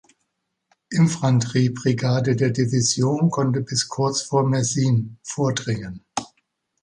Infanterie-Brigade der Division konnte bis kurz vor Messines vordringen.